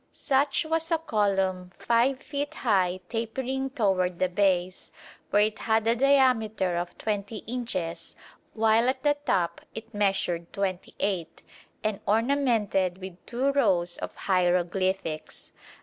Such was a column 5 feet high tapering toward the base, where it had a diameter of 20 inches while at the top it measured 28, and ornamented with two rows of hieroglyphics.